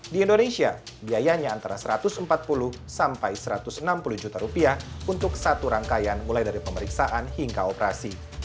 di indonesia biayanya antara satu ratus empat puluh sampai rp satu ratus enam puluh juta rupiah untuk satu rangkaian mulai dari pemeriksaan hingga operasi